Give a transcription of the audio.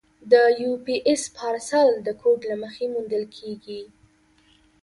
د یو پي ایس پارسل د کوډ له مخې موندل کېږي.